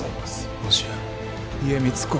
もしや家光公は。